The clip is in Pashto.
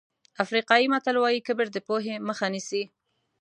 افریقایي متل وایي کبر د پوهې مخه نیسي.